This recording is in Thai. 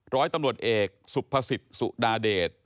ร้อยตำรวจเอกสุภสิทธิ์สุดาเดช